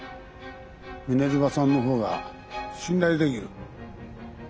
ミネルヴァさんの方が信頼できる。